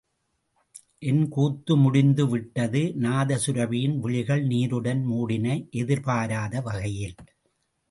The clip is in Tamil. என் கூத்து முடிந்து விட்டது!... நாதசுரபியின் விழிகள் நீருடன் மூடின, எதிர்பாராத வகையில்!